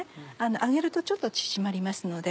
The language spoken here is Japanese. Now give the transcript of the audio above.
揚げるとちょっと縮まりますので。